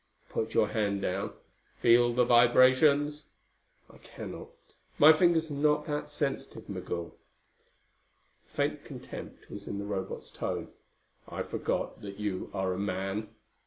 Put your hand down. Feel the vibrations?" "I cannot. My fingers are not that sensitive, Migul." A faint contempt was in the Robot's tone. "I forgot that you are a man."